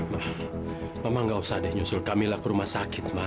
mama gak usah deh nyusul kamilah ke rumah sakit